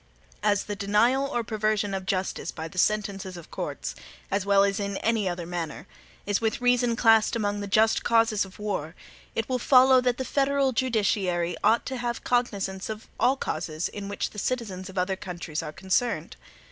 As the denial or perversion of justice by the sentences of courts, as well as in any other manner, is with reason classed among the just causes of war, it will follow that the federal judiciary ought to have cognizance of all causes in which the citizens of other countries are concerned.